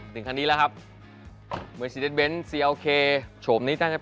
ถึงคันนี้แล้วครับ